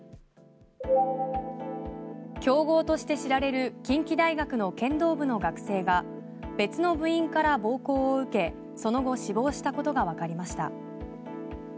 強豪として知られる近畿大学の剣道部の学生が別の部員から暴行を受けその後死亡したことがわかりました。